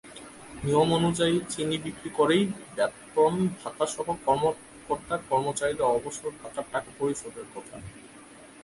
নিয়ম অনুযায়ী চিনি বিক্রি করেই বেতন-ভাতাসহ কর্মকর্তা-কর্মচারীর অবসর ভাতার টাকা পরিশোধের কথা।